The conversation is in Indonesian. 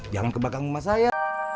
jangan ke belakang rumah saya